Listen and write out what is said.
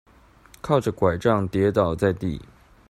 靠著柺杖跌倒在地